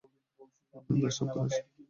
আমি পেশাব করে আসি।